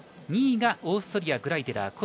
２位がオーストリアグライデラー。